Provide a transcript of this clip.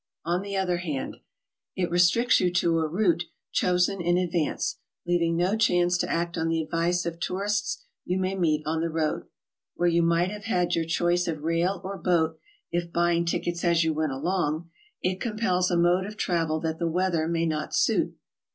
On the other hand: It restricts you to a route chosen in advance, leaving no chance to act on the advice of tourists you may meet on the road. Where you might have had your choice of rail or boat if buying tickets as you went along, it compels a mode of travel that the weather may not suit.